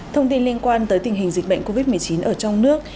thông tin liên quan tới tình hình dịch bệnh covid một mươi chín ở trong nước